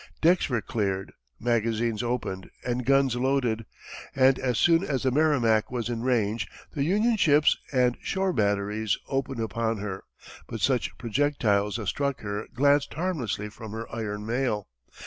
Decks were cleared, magazines opened, and guns loaded, and as soon as the Merrimac was in range, the Union ships and shore batteries opened upon her, but such projectiles as struck her, glanced harmlessly from her iron mail.